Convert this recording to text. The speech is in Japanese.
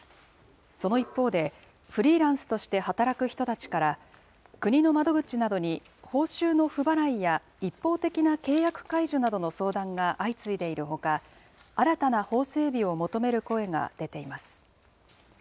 その一方で、フリーランスとして働く人たちから、国の窓口などに報酬の不払いや、一方的な契約解除などの相談が相次いでいるほか、新たな法整備を求める声が出ています。